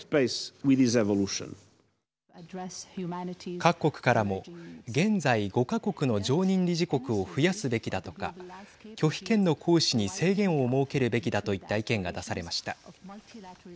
各国からも現在５か国の常任理事国を増やすべきだとか拒否権の行使に制限を設けるべきだといった意見が出されました。